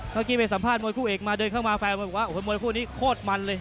เมื่อกี้ไปสัมภาษณวยคู่เอกมาเดินเข้ามาแฟนมวยบอกว่าโอ้โหมวยคู่นี้โคตรมันเลย